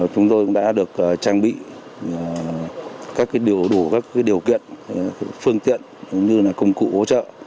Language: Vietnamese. chúng tôi đã được trang bị các điều kiện phương tiện công cụ hỗ trợ